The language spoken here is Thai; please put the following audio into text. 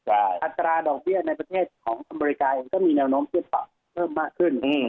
อัตราดอกเบี้ยในประเทศของอเมริกาเองก็มีแนวโน้มที่จะปรับเพิ่มมากขึ้น